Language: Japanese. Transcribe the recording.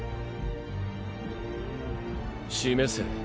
示せ。